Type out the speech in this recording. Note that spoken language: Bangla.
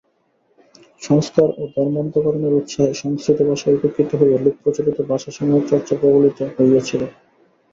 সংস্কার ও ধর্মান্তরকরণের উৎসাহে সংস্কৃত ভাষা উপেক্ষিত হইয়া লোকপ্রচলিত ভাষাসমূহের চর্চা প্রবল হইয়াছিল।